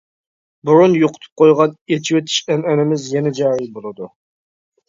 بۇرۇن يوقىتىپ قويغان ئېچىۋېتىش ئەنئەنىمىز يەنە جارى بولىدۇ.